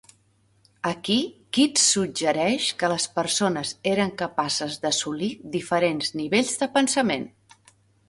Aquí, Keats suggereix que les persones eren capaces d'assolir diferents nivells de pensament.